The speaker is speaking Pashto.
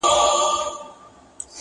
دا به څوک وي چي بلبل بولي ښاغلی.!